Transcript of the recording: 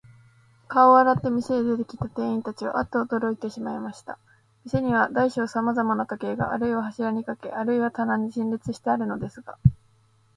顔を洗って、店へ出てきた店員たちは、アッとおどろいてしまいました。店には大小さまざまの時計が、あるいは柱にかけ、あるいは棚に陳列してあるのですが、